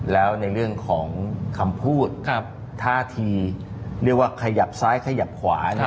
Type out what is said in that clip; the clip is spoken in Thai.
แล้วในเรื่องของคำพูดท่าทีเรียกว่าขยับซ้ายขยับขวา